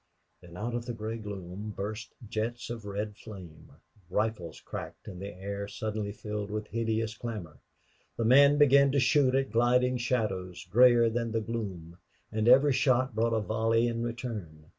Then out of the gray gloom burst jets of red flame; rifles cracked, and the air suddenly filled with hideous clamor. The men began to shoot at gliding shadows, grayer than the gloom. And every shot brought a volley in return.